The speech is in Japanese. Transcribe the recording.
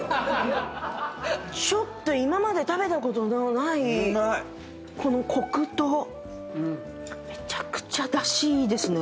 ちょっと今まで食べたことのないこのコクとめちゃくちゃだしいいですね。